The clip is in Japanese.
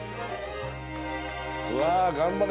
うわ頑張れ。